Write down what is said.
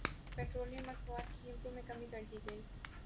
petroleum مصنوعات کی قیمتوں میں کمی کردی گئی